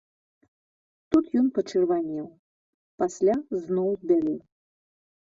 Тут ён пачырванеў, пасля зноў збялеў.